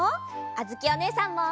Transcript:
あづきおねえさんも。